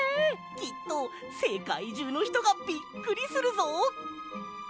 きっとせかいじゅうのひとがびっくりするぞ！